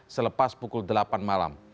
selepas pukul delapan malam